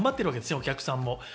お客さんも。